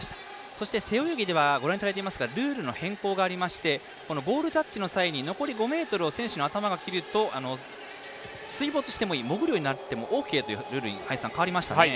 そして、背泳ぎではルールの変更がありましてゴールタッチの際に残り５ｍを選手の頭が切ると水没してもいい潜るようになってもオーケーというルールに変わりましたね。